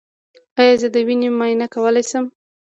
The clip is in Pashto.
ایا زه د وینې معاینه کولی شم؟